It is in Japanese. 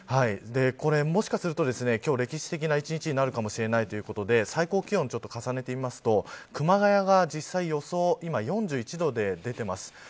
もしかすると、今日歴史的な１日になるかもしれないということで最高気温ちょっと重ねてみると熊谷が実際予想、今４１度で出ています。